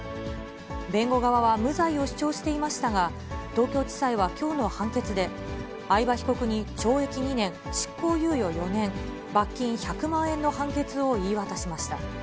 弁護側は無罪を主張していましたが、東京地裁はきょうの判決で、合場被告に懲役２年、執行猶予４年、罰金１００万円の判決を言い渡しました。